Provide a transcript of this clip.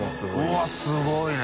うわっすごいね。